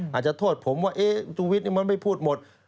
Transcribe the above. อาจจะโทษผมว่าจูวิทย์นี่มันไม่พูดหมด